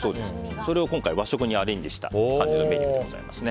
それを今回和食にアレンジた感じのメニューですね。